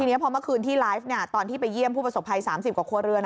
เพราะเมื่อคืนที่ไลฟ์ตอนที่ไปเยี่ยมผู้ประสบภัย๓๐กว่าครัวเรือน